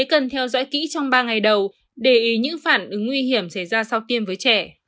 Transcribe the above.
cần theo dõi kỹ trong ba ngày đầu để ý những phản ứng nguy hiểm xảy ra sau tiêm với trẻ